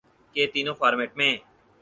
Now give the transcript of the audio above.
کہ تینوں فارمیٹ میں